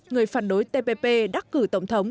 người phản đối tpp đắc cử tổng thống